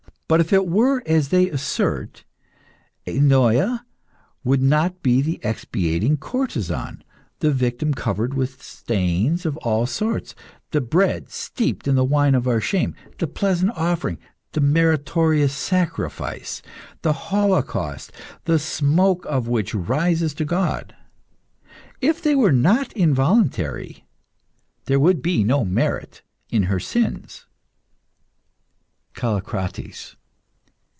But if it were as they assert Eunoia would not be the expiating courtesan, the victim covered with stains of all sorts, the bread steeped in the wine of our shame, the pleasant offering, the meritorious sacrifice, the holocaust, the smoke of which rises to God. If they were not voluntary, there would be no merit in her sins. CALLICRATES.